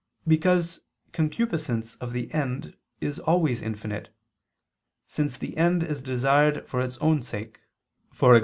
Because concupiscence of the end is always infinite: since the end is desired for its own sake, e.g.